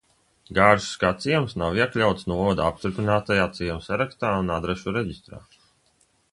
Gāršas kā ciems nav iekļauts novada apstiprinātajā ciemu sarakstā un adrešu reģistrā.